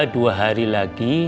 dua hari lagi